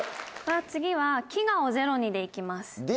次は「飢餓をゼロに」で行きます。